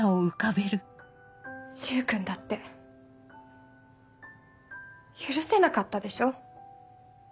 柊君だって許せなかったでしょ？